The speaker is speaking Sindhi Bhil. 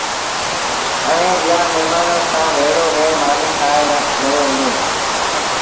ائيٚݩٚ ٻيآݩ مهمآݩآنٚ سآݩٚ ڀيڙو ويه مآݩيٚ کآئي رهيو هُݩدو۔